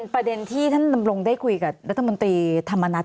ประเด็นที่ท่านดำรงได้คุยกับรัฐมนตรีธรรมนัฐ